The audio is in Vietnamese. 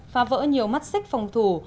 phá vỡ nhiều mắt xích phòng thủ